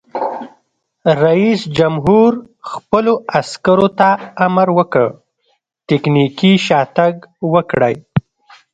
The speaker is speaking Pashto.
رئیس جمهور خپلو عسکرو ته امر وکړ؛ تکتیکي شاتګ وکړئ!